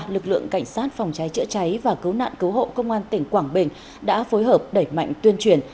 lực lượng cảnh sát phòng cháy chữa cháy và cứu nạn cứu hộ công an tỉnh quảng bình đã phối hợp đẩy mạnh tuyên truyền